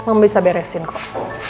mamah bisa beresin kok